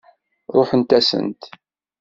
Ṛuḥent-asent.